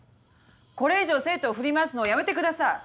これ以上生徒を振り回すのはやめてください。